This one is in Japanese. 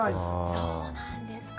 そうなんですか？